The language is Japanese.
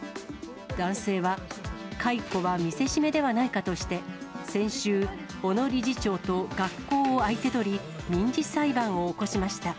男性は、解雇は見せしめではないかとして、先週、小野理事長と学校を相手取り、民事裁判を起こしました。